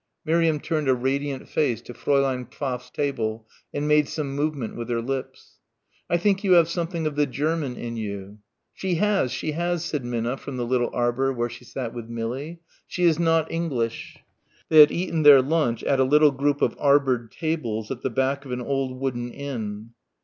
Miriam turned a radiant face to Fräulein Pfaff's table and made some movement with her lips. "I think you have something of the German in you." "She has, she has," said Minna from the little arbour where she sat with Millie. "She is not English." They had eaten their lunch at a little group of arboured tables at the back of an old wooden inn.